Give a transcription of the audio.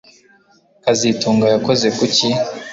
kazitunga yakoze kuki